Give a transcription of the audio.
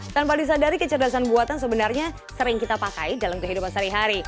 tanpa disadari kecerdasan buatan sebenarnya sering kita pakai dalam kehidupan sehari hari